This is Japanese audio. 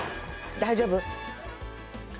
大丈夫？